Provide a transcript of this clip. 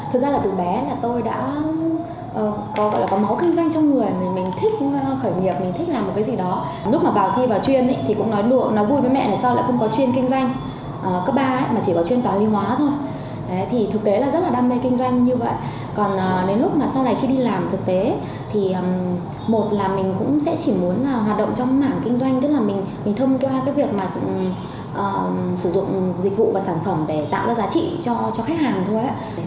hoạt động trong mảng kinh doanh tức là mình thông qua việc sử dụng dịch vụ và sản phẩm để tạo ra giá trị cho khách hàng thôi